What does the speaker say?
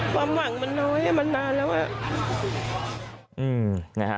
ความหวังมันน้อยมันนานแล้ว